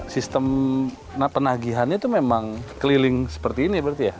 sistem penagihannya itu memang keliling seperti ini berarti ya